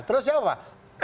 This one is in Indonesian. terus ya pak